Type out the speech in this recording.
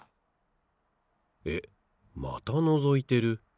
えっまたのぞいてる。